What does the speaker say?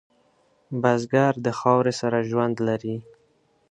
بزګر د خاورې سره ژوند لري